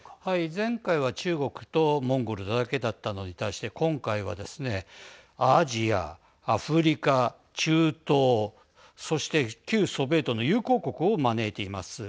前回は中国とモンゴルだけだったのに対して今回はですねアジア、アフリカ、中東そして、旧ソビエトの友好国を招いています。